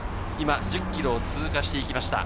今１０ｋｍ通過していきました